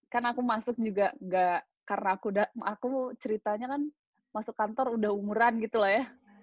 kan aku masuk juga nggak karena aku ceritanya kan masuk kantor udah umuran gitu loh ya